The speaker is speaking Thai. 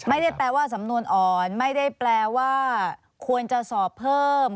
ไม่ได้แปลว่าสำนวนอ่อนไม่ได้แปลว่าควรจะสอบเพิ่ม